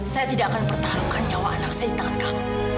saya tidak akan pertaruhkan nyawa anak saya di tangan kami